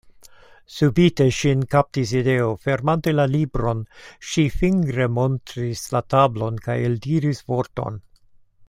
Subite ŝin kaptis ideo; fermante la libron, ŝi fingremontris la tablon kaj eldiris vorton.